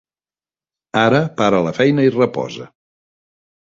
Ara para la feina i reposa.